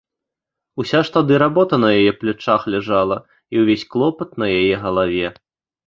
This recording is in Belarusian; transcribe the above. Уся ж тады работа на яе плячах ляжала і ўвесь клопат на яе галаве.